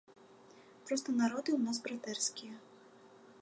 Проста народы ў нас братэрскія.